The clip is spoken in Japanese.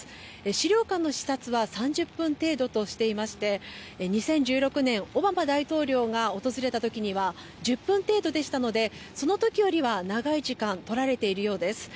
資料館の視察は３０分程度としていまして２０１６年オバマ大統領が訪れた時には１０分程度でしたのでその時よりは長い時間とられているようです。